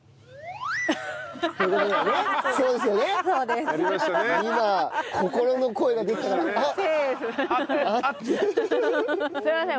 すいません